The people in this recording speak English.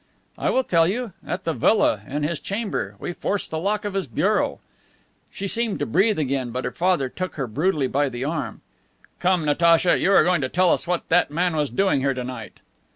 "I will tell you. At the villa, in his chamber. We forced the lock of his bureau." She seemed to breathe again, but her father took her brutally by the arm. "Come, Natacha, you are going to tell us what that man was doing here to night."